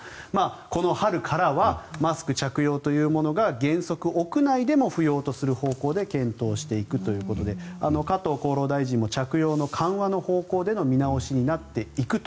この春からはマスク着用というものが原則、屋内でも不要とする方向で検討していくということで加藤厚労大臣も着用の緩和の方向での見直しになっていくと。